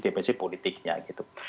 dimensi politiknya gitu